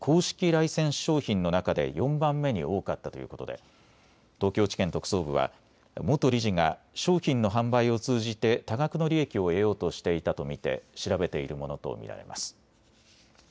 ライセンス商品の中で４番目に多かったということで、東京地検特捜部は元理事が商品の販売を通じて多額の利益を得ようとしていたと見て調べているものと見られます。